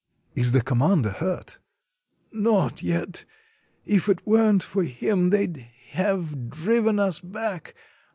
" "Is the commander hurt?" "Not yet. If it weren't for him they 'd have driven us back.